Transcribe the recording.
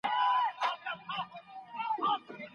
کومې برخې د ټولنیز واقعیت جوړښت ته ځواک ورکوي؟